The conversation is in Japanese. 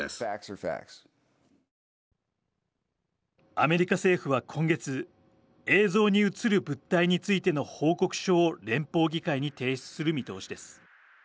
アメリカ政府は今月映像に映る物体についての報告書を連邦議会に提出する見通しです。